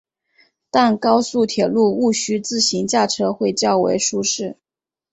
但高速铁路毋须自行驾车会较为舒适。